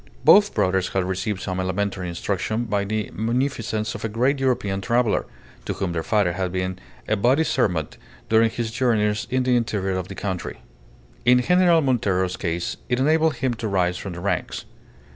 Both brothers had received some elementary instruction by the munificence of a great European traveller, to whom their father had been a body servant during his journeys in the interior of the country. In General Montero's case it enabled him to rise from the ranks.